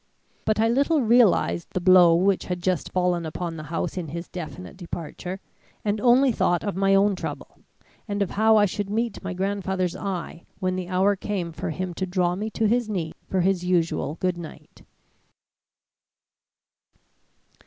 But I little realized the blow which had just fallen upon the house in his definite departure, and only thought of my own trouble, and of how I should meet my grandfather's eye when the hour came for him to draw me to his knee for his usual good night.